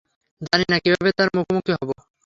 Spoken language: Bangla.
জানি না কীভাবে তার মুখোমুখি হবো।